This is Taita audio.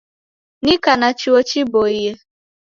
Nika na chuo chiboie.